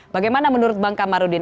bagaimana menurut bang kamarudin